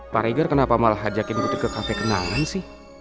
pak reger kenapa malah ajakin putri ke kafe kenalan sih